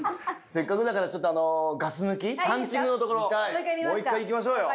せっかくだからちょっとあのガス抜きパンチングのところもう１回いきましょうよ。